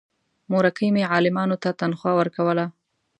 مورکۍ مې عالمانو ته تنخوا ورکوله.